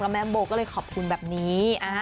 แม่โบก็เลยขอบคุณแบบนี้